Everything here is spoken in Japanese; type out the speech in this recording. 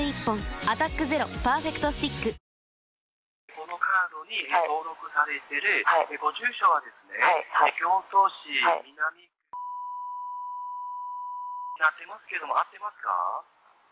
このカードに登録されてるご住所はですね、京都市南区×××になってますけども、合ってますか？